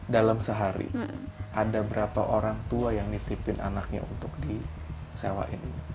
dalam sehari ada berapa orang tua yang nitipin anaknya untuk disewain